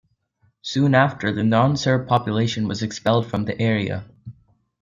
Soon after, the non-Serb population was expelled from the area.